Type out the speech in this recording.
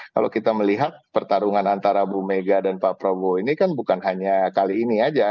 kalau kita melihat pertarungan antara bu mega dan pak prabowo ini kan bukan hanya kali ini saja